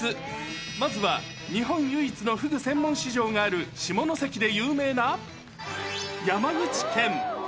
まずは日本唯一のフグ専門市場がある下関で有名な山口県。